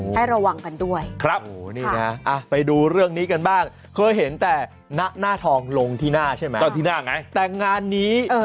ให้ระวังกันด้วยครับโอ้โหนี่นะไปดูเรื่องนี้กันบ้างเคยเห็นแต่หน้าทองลงที่หน้าใช่ไหมก็ที่หน้าไงแต่งานนี้